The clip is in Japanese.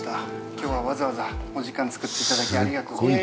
今日はわざわざお時間作っていただきありがとうございます。